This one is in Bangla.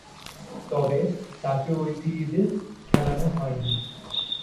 তবে, তাকে ঐ সিরিজে খেলানো হয়নি।